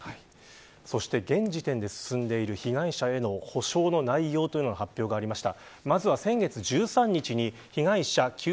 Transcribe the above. そして、現時点で進んでいる被害者への補償の内容の発表がありました。